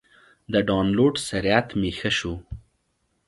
د ډاونلوډ سرعت مې ښه شو.